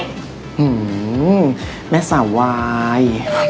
อื้อหือแม่สาวาย